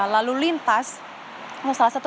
lalu lintas salah satu